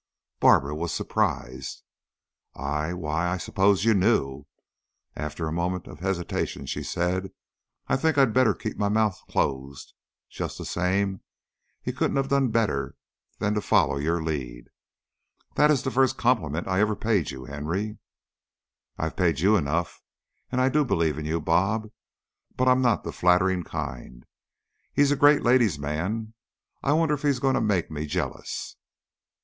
Barbara was surprised. "I why, I supposed you knew!" After a moment of hesitation she said: "I think I'd better keep my mouth closed. Just the same, he couldn't have done better than to follow your lead. That is the first compliment I ever paid you, Henry." "I've paid you enough. And I do believe in you, 'Bob,' but I'm not the flattering kind. He's a great ladies' man. I wonder if he is going to make me jealous."